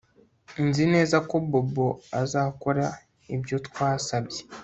Nzi neza ko Bobo azakora ibyo twasabye